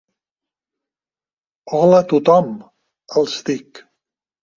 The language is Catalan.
Hola a tothom –els dic.